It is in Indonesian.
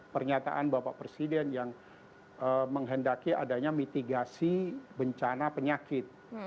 pernyataan bapak presiden yang menghendaki adanya mitigasi bencana penyakit